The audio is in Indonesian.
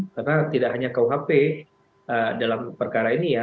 karena tidak hanya kuhp dalam perkara ini ya